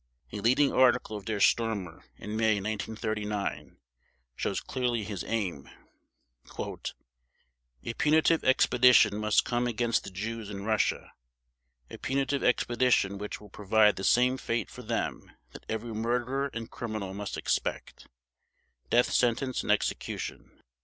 A leading article of Der Stürmer in May 1939 shows clearly his aim: "A punitive expedition must come against the Jews in Russia. A punitive expedition which will provide the same fate for them that every murderer and criminal must expect: Death sentence and execution.